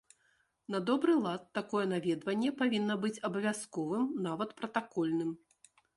На добры лад, такое наведванне павінна быць абавязковым, нават пратакольным.